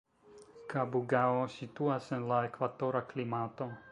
Kabugao situas en la ekvatora klimato.